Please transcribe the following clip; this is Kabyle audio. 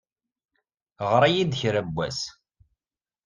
Ɣer-iyi-d kra n wass.